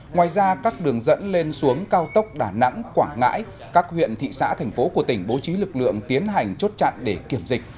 ngoài ra các đường dẫn lên xuống cao tốc đà nẵng quảng ngãi các huyện thị xã thành phố của tỉnh bố trí lực lượng tiến hành chốt chặn để kiểm dịch